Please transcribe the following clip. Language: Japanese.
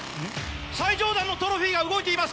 最上段のトロフィーが動いています